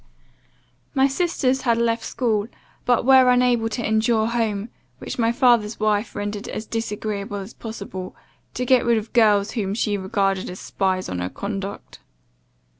"My sisters had left school, but were unable to endure home, which my father's wife rendered as disagreeable as possible, to get rid of girls whom she regarded as spies on her conduct.